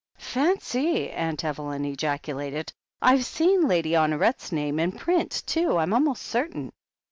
"Fancy !" Aunt Evelyn ejaculated. "I've seen Lady Honoret's name in print, too, I'm almost certain."